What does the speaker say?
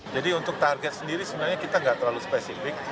jadi untuk target sendiri sebenarnya kita tidak terlalu spesifik